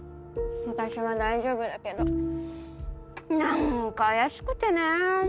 私は大丈夫だけど何か怪しくてね。